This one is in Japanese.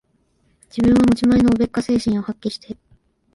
自分は持ち前のおべっか精神を発揮して、